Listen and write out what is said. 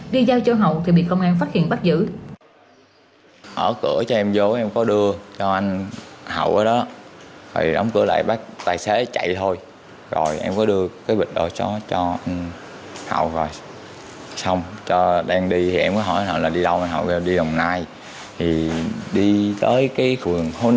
ghi giao cho hậu thì bị công an phát hiện bắt giữ